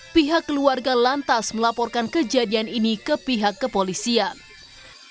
pihak keluarga lainnya juga mencari teman teman yang tidak bisa berhubung dengan korban